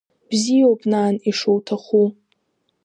Бзиоуп, нан, ишуҭаху.